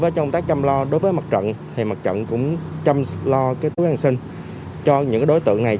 với công tác chăm lo đối với mặt trận thì mặt trận cũng chăm lo cái túi ăn xin cho những đối tượng này